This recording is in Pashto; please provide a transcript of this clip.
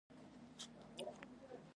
دا ټولې پېښې په همدې ښار پورې اړه لري.